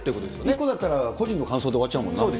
１個だったら、個人の感想で終わっちゃうもんな。